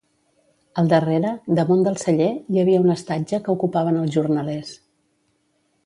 Al darrere, damunt del celler, hi havia un estatge que ocupaven els jornalers.